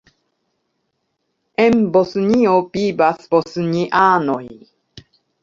En Bosnio vivas bosnianoj.